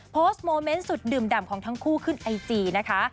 โมเมนต์สุดดื่มดำของทั้งคู่ขึ้นไอจีนะคะ